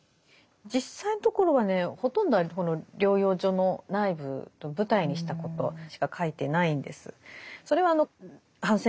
実際のところはねほとんどはこの療養所の内部を舞台にしたことしか書いてないんです。